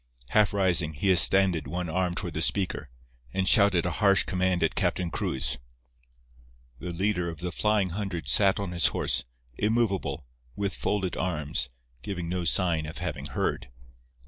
Half rising, he extended one arm toward the speaker, and shouted a harsh command at Captain Cruz. The leader of the "Flying Hundred" sat his horse, immovable, with folded arms, giving no sign of having heard.